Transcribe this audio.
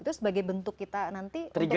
itu sebagai bentuk kita nanti